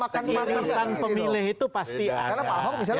pasti pilihan pemilih itu pasti ada